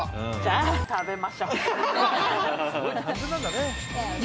じゃあ食べましょう。